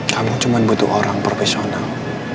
kamu cuma butuh orang profesional